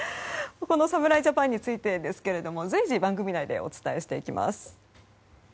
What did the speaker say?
この侍ジャパンについてですが随時、番組内でお伝えしていきます。